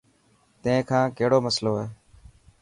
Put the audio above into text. تين کان ڪهڙو مصلو هي.